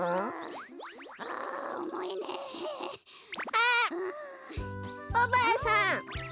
あっおばあさん